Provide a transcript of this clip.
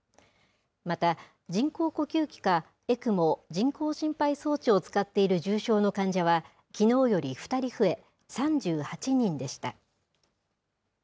また、人工呼吸器か、ＥＣＭＯ・人工心肺装置を使っている重症の患者は、きのうより２人増え、３８人でした。